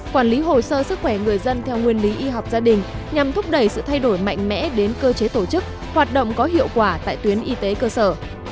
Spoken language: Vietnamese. quản lý hồ sơ sức khỏe người dân theo nguyên lý y học gia đình nhằm thúc đẩy sự thay đổi mạnh mẽ đến cơ chế tổ chức hoạt động có hiệu quả tại tuyến y tế cơ sở